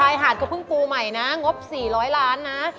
หายหาดกระพึงปูใหม่นะงบ๔๐๐ล้านนะ